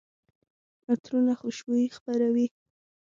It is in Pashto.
عطرونه خوشبويي خپروي.